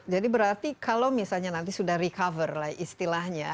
berarti kalau misalnya nanti sudah recover lah istilahnya